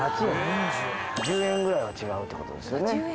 １０円ぐらいは違うってことですよね